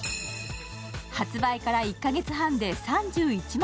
発売から１か月半で３１万